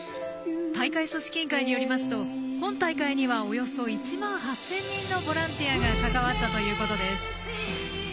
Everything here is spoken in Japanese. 大会組織委員会によりますと今大会にはおよそ１万８０００人のボランティアが関わったということです。